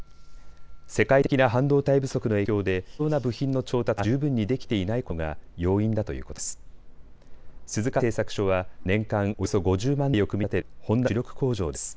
世界的な半導体不足の影響で必要な部品の調達が十分にできていないことなどが要因だということです。です。